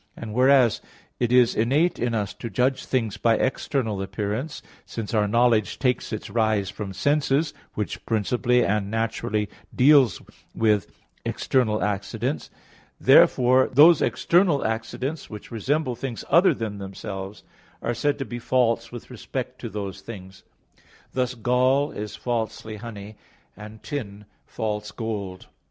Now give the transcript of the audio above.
And whereas it is innate in us to judge things by external appearances, since our knowledge takes its rise from sense, which principally and naturally deals with external accidents, therefore those external accidents, which resemble things other than themselves, are said to be false with respect to those things; thus gall is falsely honey; and tin, false gold.